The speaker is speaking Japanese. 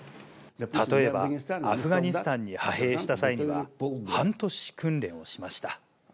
例えば、アフガニスタンに派兵した際には、半年訓練をしました。